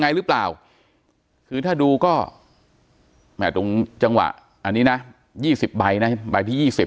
หรือเปล่าคือถ้าดูก็แหม่ตรงจังหวะอันนี้นะ๒๐ใบนะใบที่๒๐